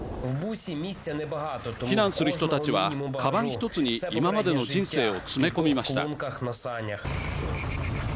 避難する人たちはかばん１つに今までの人生を詰め込みました。